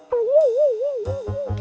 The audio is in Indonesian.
kenapa aku yang ikutan bayar